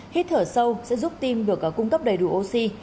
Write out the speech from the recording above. hít thở sâu sẽ giúp tim được cung cấp đầy đủ oxy